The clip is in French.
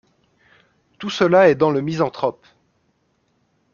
Tout cela est dans le Misanthrope .